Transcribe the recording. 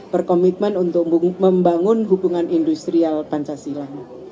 berkomitmen untuk membangun hubungan industrial pancasila